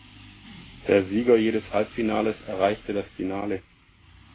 Der Sieger jedes Halbfinales erreichte das Finale.